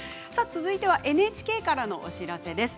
続いてＮＨＫからのお知らせです。